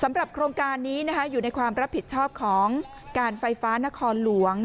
โครงการนี้อยู่ในความรับผิดชอบของการไฟฟ้านครหลวง